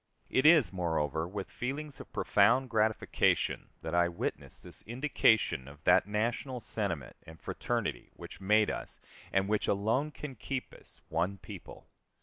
It is, moreover, with feelings of profound gratification that I witness this indication of that national sentiment and fraternity which made us, and which alone can keep us, one people.